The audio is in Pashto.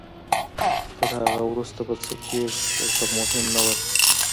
تر هغې وروسته به څه کېږي ورته مهم نه وو.